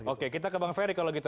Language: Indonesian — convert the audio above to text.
oke kita ke bang ferry kalau gitu